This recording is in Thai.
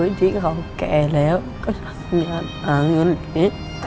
พอที่เขาแก่แล้วก็ทำงานหาเงินเหล็ก